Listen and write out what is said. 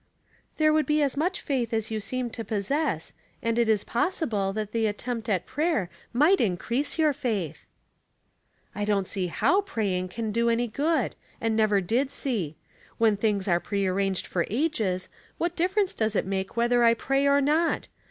"*' There would be as much faith as you seem to possess, and it is possible that the attempt at prayer might increase your faiths" " I don't see how praying can do any good, and never did see. When things are pre arranged for ages, what difference does it make whether I pray or not?